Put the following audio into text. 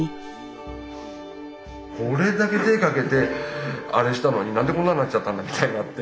これだけ手かけてあれしたのになんでこんなになっちゃったんだみたいになって。